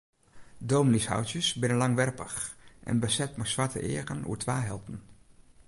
Dominyshoutsjes binne langwerpich en beset mei swarte eagen oer twa helten.